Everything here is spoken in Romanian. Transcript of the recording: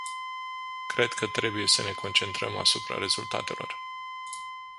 Cred că trebuie să ne concentrăm asupra rezultatelor.